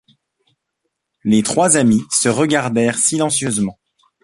Les trois amis se regardèrent silencieusement.